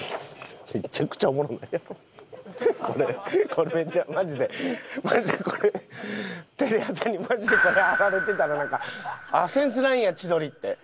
これめっちゃマジでマジでこれテレ朝にマジでこれ貼られてたらなんか「センスないんや千鳥って」。